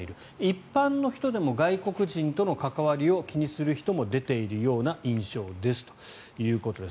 一般の人でも外国人との関わりを気にする人も出ているような印象ですということです。